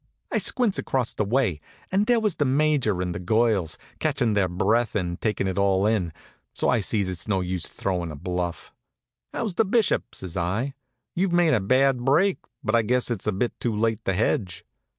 I squints across the way, and there was the Major and the girls, catchin' their breath and takin' it all in, so I sees it's no use throwin' a bluff. "How's the Bishop?" says I. "You've made a bad break; but I guess it's a bit too late to hedge."